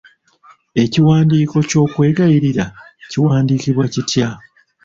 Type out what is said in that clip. Ekiwandiiko ky'okwegayirira kiwandiikibwa kitya?